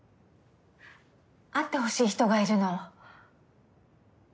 会ってほしい人がいるの。